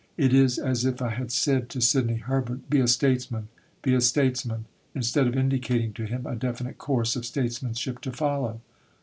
It is as if I had said to Sidney Herbert, Be a statesman, be a statesman instead of indicating to him a definite course of statesmanship to follow.